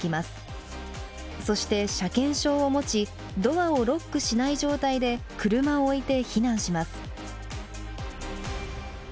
そして車検証を持ちドアをロックしない状態で車を置いて避難します。